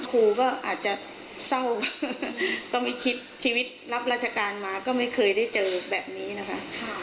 ครูก็อาจจะเศร้าก็ไม่คิดชีวิตรับราชการมาก็ไม่เคยได้เจอแบบนี้นะคะ